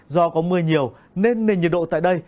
do có mưa nhiều nên nền nhiệt độ tại đây